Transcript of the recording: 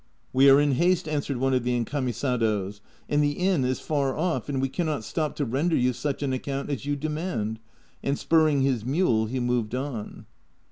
" We are in haste," answered one of the encamisados, " and the inn is far off, and we can not stop to render you such an account as you demand ;" and spurring his mule he moved on.